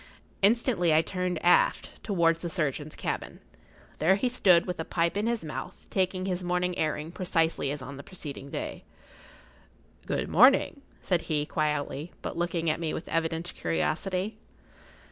Instinctively I turned aft, towards the surgeon's cabin. There he stood, with a pipe in his mouth, taking his morning airing precisely as on the preceding day. "Good morning," said he, quietly, but looking at me with evident curiosity.